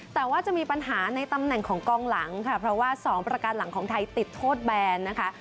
แต่ว่าจะมีปัญหาในตำแหน่งของกองหลังค่ะเพราะว่า๒ประการหลังของไทยติดโทษแบนนะคะ